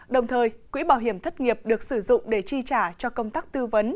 đồng thời quỹ bảo hiểm thất nghiệp được sử dụng để chi trả cho công tác tư vấn